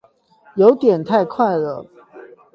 有點太快了